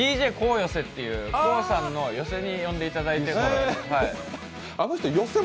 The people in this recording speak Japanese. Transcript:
寄席っていうＫＯＯさんの寄席に呼んでいただいて。